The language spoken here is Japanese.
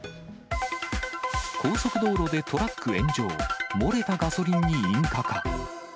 高速道路でトラック炎上、漏れたガソリンに引火か。